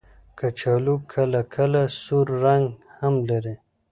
کچالو کله کله سور رنګ هم لري